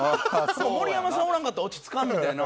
盛山さんおらんかったら落ち着かんみたいな。